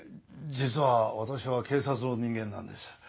実は私は警察の人間なんです。